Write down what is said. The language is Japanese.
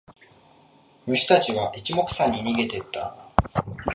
虫たちは一目散に逃げてった。